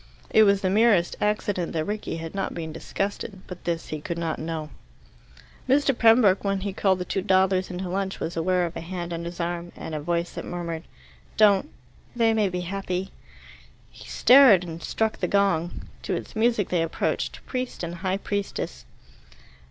It was the merest accident that Rickie had not been disgusted. But this he could not know. Mr. Pembroke, when he called the two dawdlers into lunch, was aware of a hand on his arm and a voice that murmured, "Don't they may be happy." He stared, and struck the gong. To its music they approached, priest and high priestess.